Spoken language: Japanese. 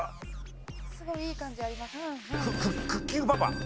すごいいい漢字あります。